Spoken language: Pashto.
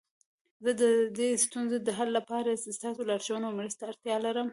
زه د دې ستونزې د حل لپاره ستاسو لارښوونو او مرستي ته اړتیا لرم